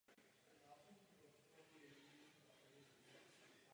Dobré reference na něj dal bývalý trenér Slovanu Karel Jarolím.